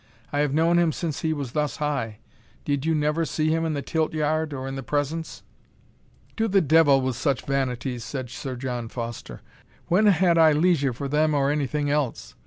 I have known him since he was thus high. Did you never see him in the tilt yard or in the presence?" "To the devil with such vanities!" said Sir John Foster; "when had I leisure for them or any thing else?